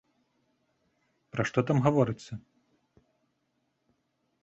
Пра што там гаворыцца?